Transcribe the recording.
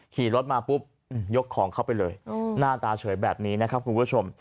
ขี่รถมาปุ๊บยกของเข้าไปเลยหน้าตาเฉยแบบนี้นะครับคุณผู้ชม